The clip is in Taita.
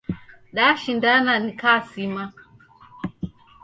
Dashindana, nikamsima.